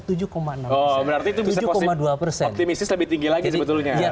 berarti optimisnya lebih tinggi lagi sebetulnya